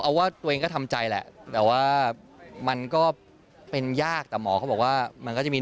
เอาว่าตัวเองก็ทำใจแหละแต่ว่ามันก็เป็นยากแต่หมอเขาบอกว่ามันก็จะมี